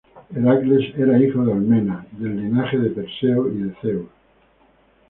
Heracles era hijo de Alcmena, del linaje de Perseo, y de Zeus.